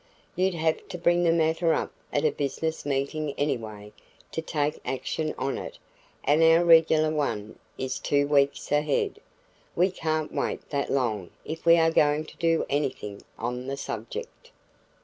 You'd have to bring the matter up at a business meeting anyway to take action on it and our regular one is two weeks ahead. We can't wait that long if we are going to do anything on the subject."